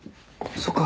そっか。